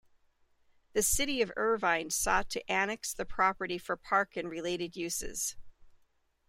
The city of Irvine sought to annex the property for park and related uses.